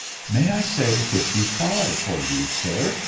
"May I say fifty five for you, sir?"